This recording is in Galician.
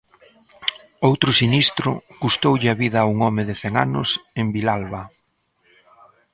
Outro sinistro custoulle a vida a un home de cen anos en Vilalba.